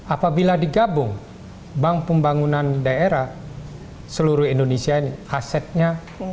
apabila digabung bank pembangunan daerah seluruh indonesia ini asetnya